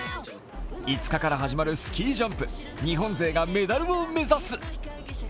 ５日から始まるスキージャンプ、日本勢がメダルを目指す。